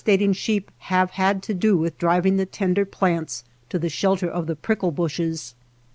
i THE MESA TRAIL ing sheep have had to do with driving the tender plants to the shelter of the prickle bushes.